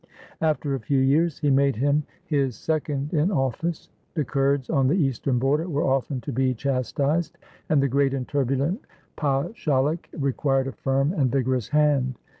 After a few years, he made him his second in office. The Kurds on the eastern border were often to be chastised, and the great and turbulent pashalic re quired a firm and vigorous hand.